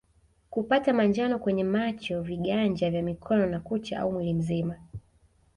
Kupata manjano kwenye macho vinganja vya mikono na kucha au mwili mzima